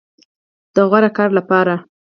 د غوره کار لپاره